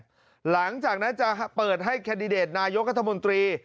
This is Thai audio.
จะให้ชี้แจ้งหลังจากนั้นจะเปิดให้แคดดิเดตนายกรรธมนตรี